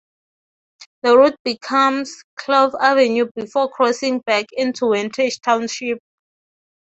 The route becomes Clove Avenue before crossing back into Wantage Township.